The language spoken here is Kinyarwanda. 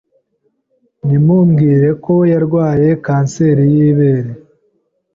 bimubwirako yarwaye Cancer y’ibere,